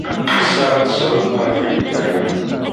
Ɣseɣ ad teẓred maɣef ay nga aya.